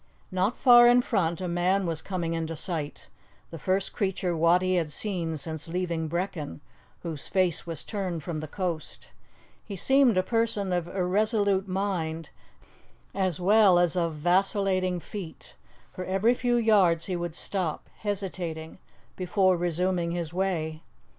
Not far in front a man was coming into sight, the first creature Wattie had seen since leaving Brechin, whose face was turned from the coast. He seemed a person of irresolute mind, as well as of vacillating feet, for every few yards he would stop, hesitating, before resuming his way.